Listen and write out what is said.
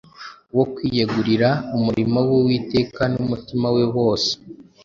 wo kwiyegurira umurimo w’Uwiteka n’umutima we wose.